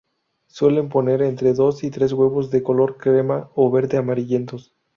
Suele poner entre dos y tres huevos de color crema o verde amarillentos.